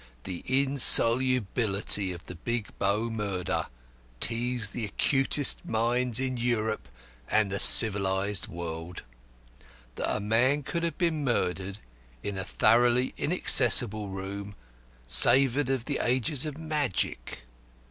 The insolubility of the Big Bow Mystery teased the acutest minds in Europe and the civilised world. That a man could have been murdered in a thoroughly inaccessible room savoured of the ages of magic.